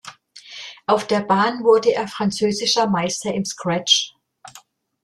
Auf der Bahn wurde er französischer Meister im Scratch.